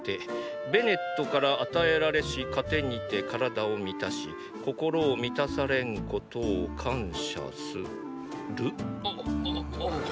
ベネットから与えられし糧にて体を満たし心を満たされんことを感謝する？